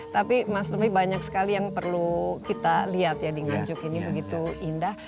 tapi mas romi banyak sekali yang perlu kita lihat ya di nganjuk ini begitu indah